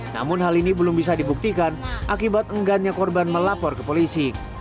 namun hal ini belum bisa dibuktikan akibat enggannya korban melapor ke polisi